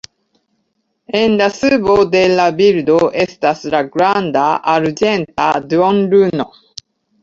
En la subo de la bildo estas la granda, arĝenta duonluno.